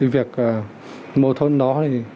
việc mâu thuẫn đó